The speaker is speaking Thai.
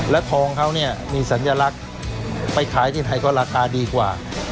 และทองเขาเนี่ยมีสัญลักษณ์ไปขายที่ไหนก็ราคาดีกว่า